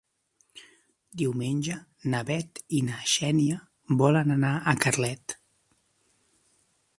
Diumenge na Bet i na Xènia volen anar a Carlet.